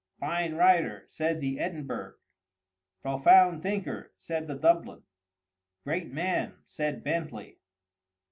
"Fine writer!" said the Edinburgh. "Profound thinker!" said the Dublin. "Great man!" said Bentley.